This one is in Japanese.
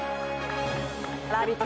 「ラヴィット！